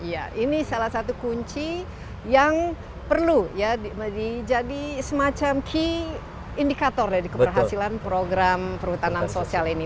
ya ini salah satu kunci yang perlu ya menjadi semacam key indicator ya di keberhasilan program perhutanan sosial ini